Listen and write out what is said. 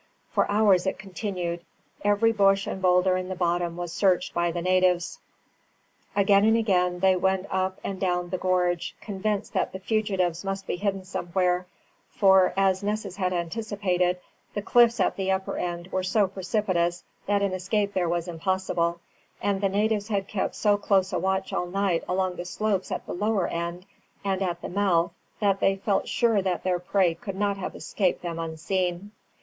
For hours it continued. Every bush and boulder in the bottom was searched by the natives. Again and again they went up and down the gorge, convinced that the fugitives must be hidden somewhere; for, as Nessus had anticipated, the cliffs at the upper end were so precipitous that an escape there was impossible, and the natives had kept so close a watch all night along the slopes at the lower end, and at the mouth, that they felt sure that their prey could not have escaped them unseen.